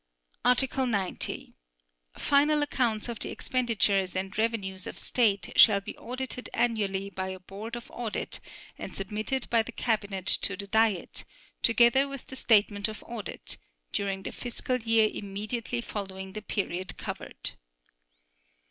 Article 90. Final accounts of the expenditures and revenues of State shall be audited annually by a Board of Audit and submitted by the Cabinet to the Diet, together with the statement of audit, during the fiscal year immediately following the period covered.